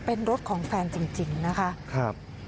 เป็นรถของแฟนจริงนะคะ